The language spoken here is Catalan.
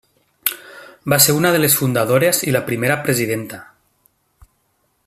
Va ser una de les fundadores i la primera presidenta.